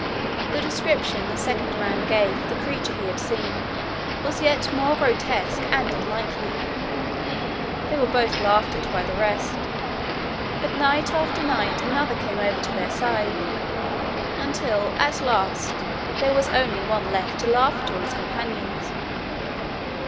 The description the second man gave of the creature he had seen was yet more grotesque and unlikely. They were both laughed at by the rest; but night after night another came over to their side, until at last there was only one left to laugh at all his companions.